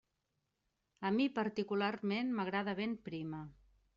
A mi particularment m'agrada ben prima.